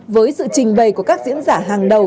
với sự trình bày của các diễn giả hàng đầu